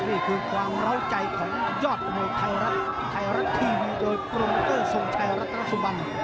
นี่คือความร่าวใจของยอดในไทรัติวีโดยกรมเกอร์สงชายรัฐรสุบัน